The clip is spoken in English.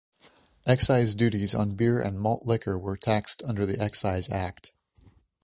Excise duties on beer and malt liquor are taxed under the Excise Act.